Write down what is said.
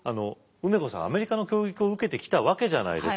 梅子さんアメリカの教育を受けてきたわけじゃないですか。